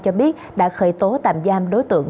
cho biết đã khởi tố tạm giam đối tượng